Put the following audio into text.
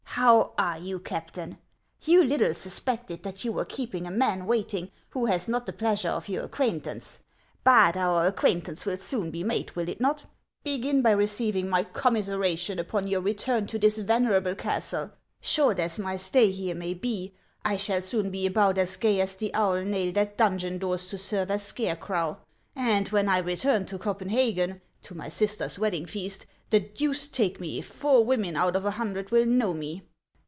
How are you, Captain ? You little suspected that you were keeping a man waiting who has not the pleasure of your acquaintance ; but our acquaint ance will soon be made, will it not ? Begin by receiving my commiseration upon your return to this venerable cas tle. Short as my stay here may be, I shall soon be about as gay as the owl nailed at donjon doors to serve as scare crow, and when I return to Copenhagen, to my sister's wedding feast, the deuce take me if four women out of a hundred will know me